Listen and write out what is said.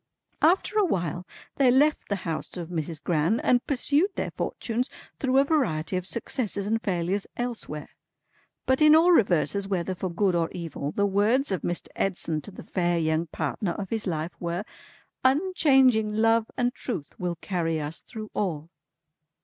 "After a while, they left the house of Mrs. Gran, and pursued their fortunes through a variety of successes and failures elsewhere. But in all reverses, whether for good or evil, the words of Mr. Edson to the fair young partner of his life were, 'Unchanging Love and Truth will carry us through all!'"